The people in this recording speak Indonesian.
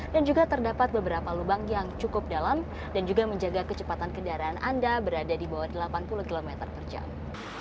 dan juga terdapat beberapa lubang yang cukup dalam dan juga menjaga kecepatan kendaraan anda berada di bawah delapan puluh km per jam